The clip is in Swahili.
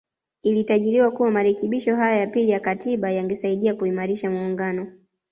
Ilitarajiwa kuwa marekebisho haya ya pili ya Katiba yangesaidia kuimarisha muungano